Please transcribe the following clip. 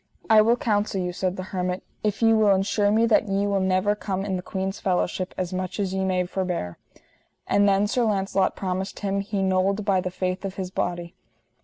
I will counsel you, said the hermit, if ye will ensure me that ye will never come in that queen's fellowship as much as ye may forbear. And then Sir Launcelot promised him he nold, by the faith of his body.